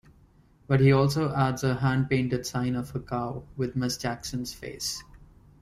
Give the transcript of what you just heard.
But he also adds a hand-painted sign of a cow with Miss Jackson's face.